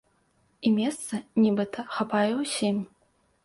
І месца, нібыта, хапае ўсім.